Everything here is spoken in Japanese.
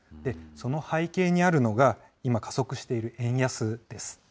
その背景にあるのが、今、加速している円安です。